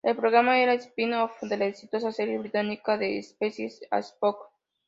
El programa era el spin-off de la exitosa serie británica de espías Spooks.